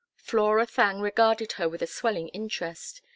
Flora Thangue regarded her with a swelling interest.